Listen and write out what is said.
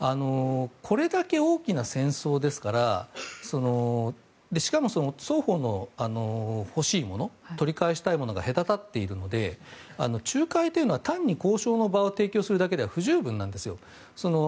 これだけ大きな戦争ですからしかも、双方の欲しいもの取り返したいものが隔たっているので仲介は単に交渉の場を提供するだけでは不十分なんですよ。